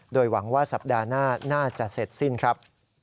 โดยหวังว่าสัปดาห์หน้าน่าจะเสร็จสิ้นครับ